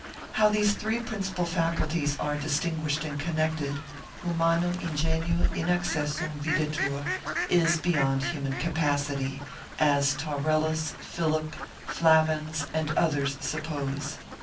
How these three principal faculties are distinguished and connected, Humano ingenio inaccessum videtur, is beyond human capacity, as Taurellus, Philip, Flavins, and others suppose.